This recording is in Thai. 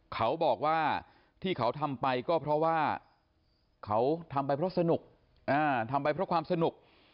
เขาบอกว่าที่เขาทำไปก็เพราะว่าเขาทำไปเพราะสนุกทำไปเพราะความสนุก